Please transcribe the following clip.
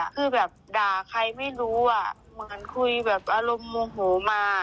คือแบบด่าใครไม่รู้อ่ะเหมือนคุยแบบอารมณ์โมโหมา